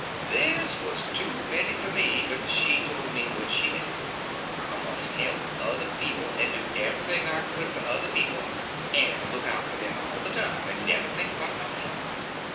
This was too many for me, but she told me what she meant—I must help other people, and do everything I could for other people, and look out for them all the time, and never think about myself.